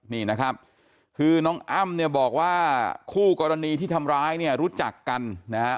นี่นะครับคือน้องอ้ำเนี่ยบอกว่าคู่กรณีที่ทำร้ายเนี่ยรู้จักกันนะฮะ